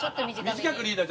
短くリーダー。